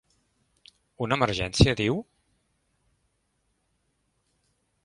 Una emergència, diu?